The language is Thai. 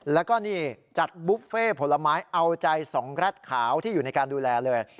แล้วก็นี่จัดบุฟเฟ่ผลไม้เอาใจ๒แร็ดขาวที่อยู่ในการดูแลเลย